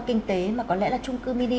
kinh tế mà có lẽ là trung cư mini